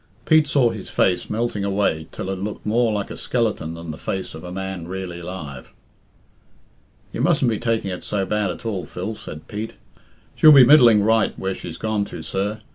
Pete saw his face melting away till it looked more like a skeleton than the face of à man really alive. "You mustn't be taking it so bad at all, Phil," said Pete. "She'll be middling right where she's gone to, sir.